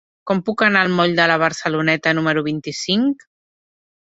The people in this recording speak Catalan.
Com puc anar al moll de la Barceloneta número vint-i-cinc?